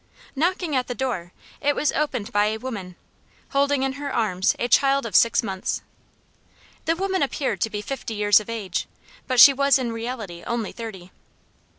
Knocking at the door, it was opened by a woman, holding in her arms a child of six months. The woman appeared to be fifty years of age, but she was in reality only thirty.